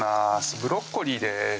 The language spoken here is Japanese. ブロッコリーです